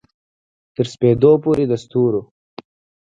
تر سپیدو پوري د ستورو